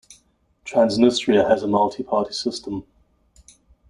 Transnistria has a multi-party system.